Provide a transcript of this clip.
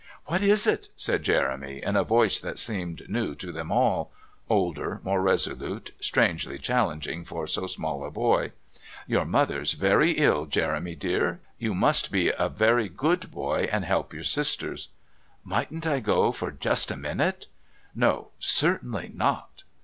"What is it?" said Jeremy in a voice that seemed new to them all older, more resolute, strangely challenging for so small a boy. "Your mother's very ill, Jeremy, dear. You must be a very good boy, and help your sisters." "Mightn't I go for just a minute?" "No, certainly not."